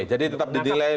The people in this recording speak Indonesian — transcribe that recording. jadi tetap didilai